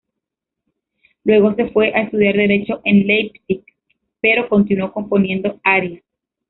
Luego se fue a estudiar Derecho en Leipzig, pero continuó componiendo arias.